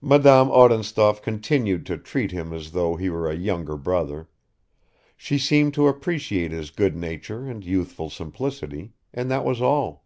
Madame Odintsov continued to treat him as though he were a younger brother; she seemed to appreciate his good nature and youthful simplicity and that was all.